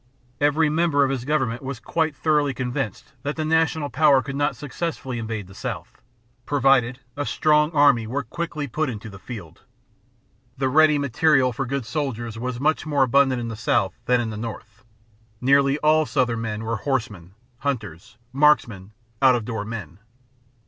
Every member of his government was quite thoroughly convinced that the National power could not successfully invade the South, provided a strong army were quickly put into the field. The ready material for good soldiers was much more abundant in the South than in the North; nearly all Southern men were horsemen, hunters, marksmen, out of door men.